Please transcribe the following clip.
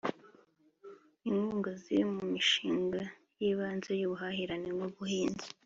Inkunga ziri mu mishinga y’ibanze y’ ubuhahirane nk’ ubuhinzi